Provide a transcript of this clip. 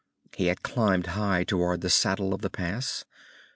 He had climbed high toward the saddle of the pass.